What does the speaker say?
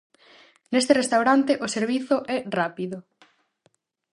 Neste restaurante o servizo é rápido.